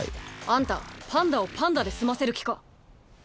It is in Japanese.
あんたパンダをパンダで済ませる気か？